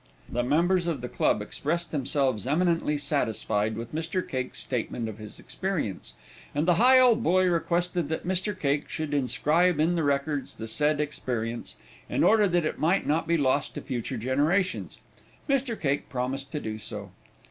'" The members of the club expressed themselves eminently satisfied with Mr. Cake's statement of his experience, and the Higholdboy requested that Mr. Cake should inscribe in the records the said experience, in order that it might not be lost to future generations. Mr. Cake promised to do so.